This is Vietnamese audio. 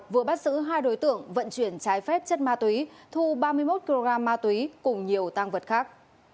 vừa bắt giữ hai đối tượng vận chuyển trái phép chất ma túy thu ba mươi một kg ma túy cùng nhiều tăng vật khác